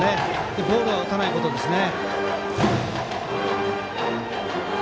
ボールは打たないことですね。